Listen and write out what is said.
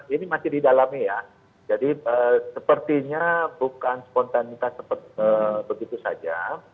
ini masih di dalamnya ya jadi sepertinya bukan spontanitas seperti ini begitu saja